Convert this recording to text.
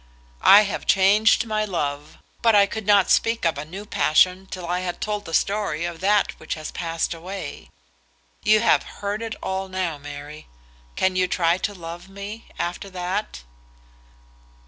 "I have changed my love. But I could not speak of a new passion till I had told the story of that which has passed away. You have heard it all now, Mary. Can you try to love me, after that?"